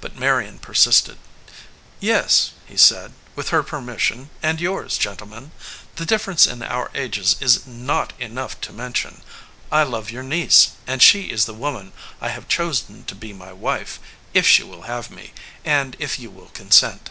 But Marion persisted. "Yes," he said, "with her 67 EDGEWATER PEOPLE permission and yours, gentlemen. The difference in our ages is not enough to mention. I love your niece, and she is the woman I have chosen to be my wife, if she will have me, and if you will con sent."